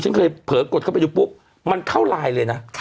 ฉันเคยเผลอกดเข้าไปดูปุ๊บมันเข้าไลน์เลยนะ